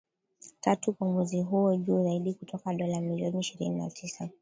tatu kwa mwezi huo, juu zaidi kutoka dola milioni ishirni na tisa